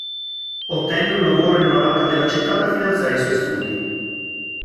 Ottenne un lavoro in una banca della città per finanziare i suoi studi.